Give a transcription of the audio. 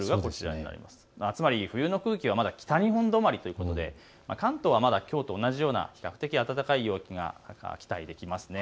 つまり冬の空気はまだ北日本止まりということで関東はまだきょうと同じような比較的暖かい陽気が期待できます。